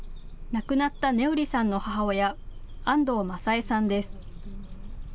亡くなった音織さんの母親、安藤正恵さんです。